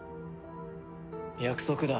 約束だ。